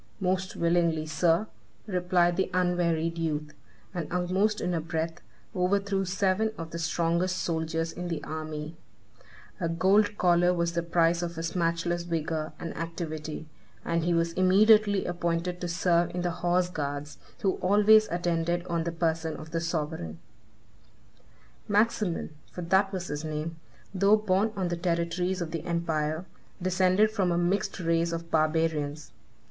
"Most willingly, sir," replied the unwearied youth; and, almost in a breath, overthrew seven of the strongest soldiers in the army. A gold collar was the prize of his matchless vigor and activity, and he was immediately appointed to serve in the horseguards who always attended on the person of the sovereign. 2 2 (return) [ Hist. August p. 138.] Maximin, for that was his name, though born on the territories of the empire, descended from a mixed race of barbarians.